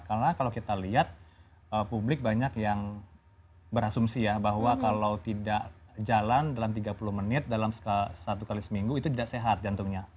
karena kalau kita lihat publik banyak yang berasumsi ya bahwa kalau tidak jalan dalam tiga puluh menit dalam satu kali seminggu itu tidak sehat jantungnya